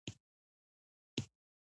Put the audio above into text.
د رحمان بابا شعرونه ډير درانده دي.